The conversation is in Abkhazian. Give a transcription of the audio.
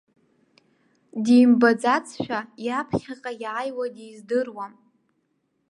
Димбаӡацшәа иаԥхьаҟа иааиуа диздыруам.